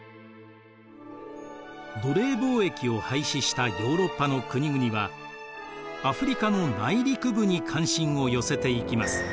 奴隷貿易を廃止したヨーロッパの国々はアフリカの内陸部に関心を寄せていきます。